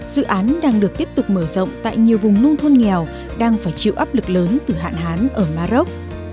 dự án đang được tiếp tục mở rộng tại nhiều vùng nông thôn nghèo đang phải chịu áp lực lớn từ hạn hán ở maroc